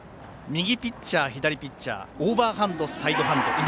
右ピッチャー、左ピッチャーオーバーハンド、サイドハンド